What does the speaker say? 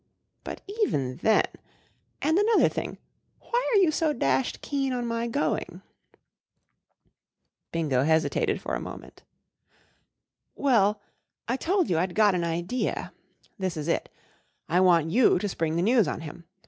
" "But even then —and another thing. Why are you so clashed keen on my going ?" Bingo hesitated for a moment. " Well, I told you I'd got an idea* This is it, I want you to spring the news on him.